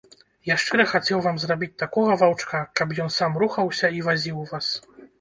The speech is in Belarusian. Я шчыра хацеў вам зрабіць такога ваўчка, каб ён сам рухаўся і вазіў вас.